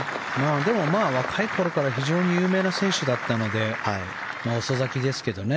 でも、若い頃から非常に有名な選手だったので遅咲きですけどね